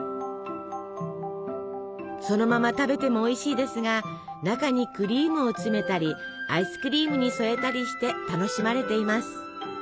そのまま食べてもおいしいですが中にクリームを詰めたりアイスクリームに添えたりして楽しまれています。